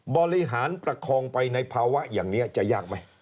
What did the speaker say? บริหารประคองไปในภาวะอย่างนี้จะยากไหม